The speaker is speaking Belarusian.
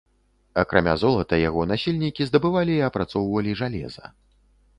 Акрамя золата яго насельнікі здабывалі і апрацоўвалі жалеза.